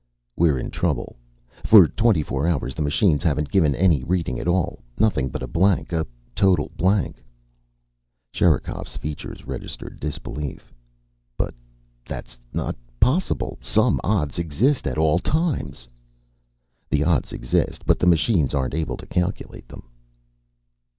"We're in trouble. For twenty four hours the machines haven't given any reading at all. Nothing but a blank. A total blank." Sherikov's features registered disbelief. "But that isn't possible. Some odds exist at all times." "The odds exist, but the machines aren't able to calculate them."